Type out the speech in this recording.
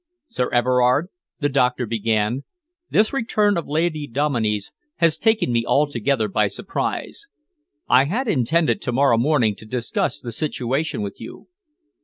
"Sir Everard," the doctor began, "this return of Lady Dominey's has taken me altogether by surprise. I had intended to morrow morning to discuss the situation with you."